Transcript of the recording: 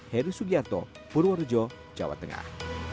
heri sugianto purworejo jawa tengah